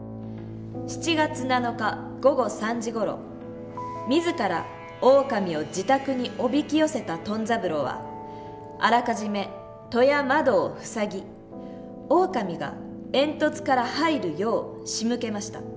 ７月７日午後３時ごろ自らオオカミを自宅におびき寄せたトン三郎はあらかじめ戸や窓を塞ぎオオカミが煙突から入るようしむけました。